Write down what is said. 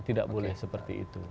tidak boleh seperti itu